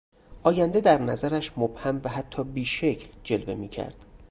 آینده در نظرش مبهم و حتی بیشکل جلوه میکرد.